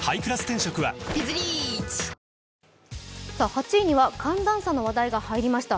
８位には寒暖差の話題が入りました。